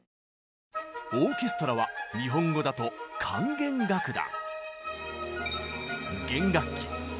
オーケストラは日本語だと管弦楽団。